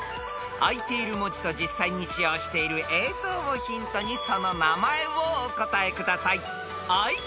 ［あいている文字と実際に使用している映像をヒントにその名前をお答えください］